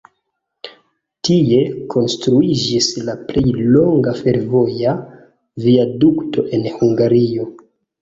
Tie konstruiĝis la plej longa fervoja viadukto en Hungario.